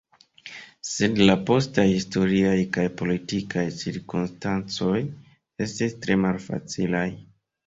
Sed la postaj historiaj kaj politikaj cirkonstancoj estis tre malfacilaj.